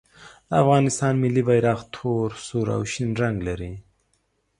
د افغانستان ملي بیرغ تور، سور او شین رنګ لري.